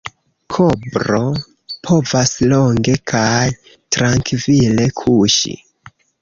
Kobro povas longe kaj trankvile kuŝi.